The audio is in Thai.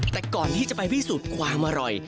แต่ก่อนที่จะไปพิสูจน์ความอร่อย